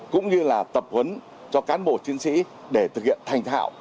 cũng như là tập huấn cho cán bộ chiến sĩ để thực hiện thành thạo